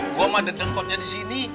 gue mah ada dengkotnya di sini